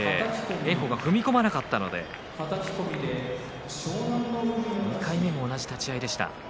炎鵬が踏み込まなかったので２回目も同じ立ち合いでした。